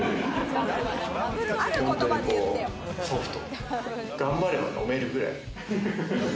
本当にソフト、頑張れば飲めるくらい。